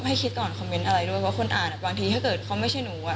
ให้คิดก่อนคอมเมนต์อะไรด้วย